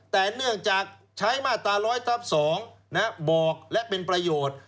แต่เนื่องจากใช้มาตรา๑๐๐ทับ๒บอกและเป็นประโยชน์